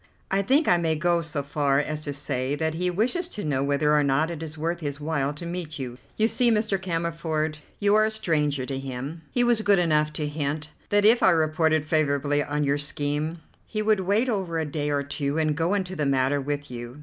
"I think I may go so far as to say that he wishes to know whether or not it is worth his while to meet you. You see, Mr. Cammerford, you are a stranger to him. He was good enough to hint that if I reported favourably on your scheme, he would wait over a day or two and go into the matter with you.